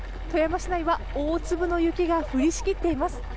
富山市内は大粒の雪が降りしきっています。